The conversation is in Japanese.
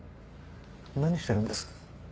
何してるんです？